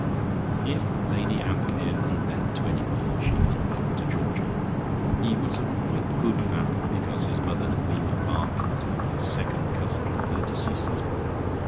If Lady Ambermere unbent to anybody, she unbent to Georgie. He was of quite good family, because his mother had been a Bartlett and a second cousin of her deceased husband.